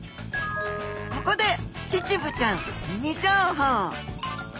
ここでチチブちゃんミニ情報。